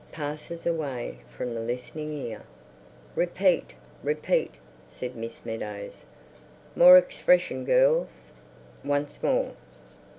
Passes away from the Listening Ear. "Repeat! Repeat!" said Miss Meadows. "More expression, girls! Once more!"